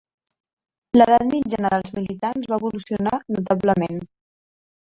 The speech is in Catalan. L'edat mitjana dels militants va evolucionar notablement.